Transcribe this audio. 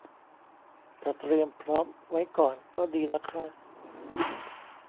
แต่เตรียมพร้อมไว้ก่อนก็ดีนะคะ